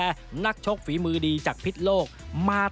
เตรียมป้องกันแชมป์ที่ไทยรัฐไฟล์นี้โดยเฉพาะ